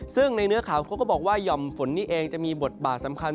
ซึ่งในเนื้อข่าวเขาก็บอกว่าห่อมฝนนี้เองจะมีบทบาทสำคัญ